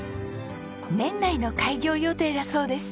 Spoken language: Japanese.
年内の開業予定だそうです。